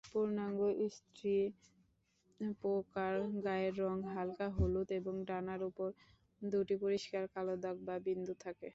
পূর্নাঙ্গ স্ত্রী পোকার গায়ের রঙ হালকা হলুদ এবং ডানার উপর দুটি পরিষ্কার কালো দাগ বা বিন্দু থাকে।